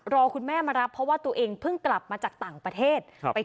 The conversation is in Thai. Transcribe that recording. คุณแม่มารับเพราะว่าตัวเองเพิ่งกลับมาจากต่างประเทศ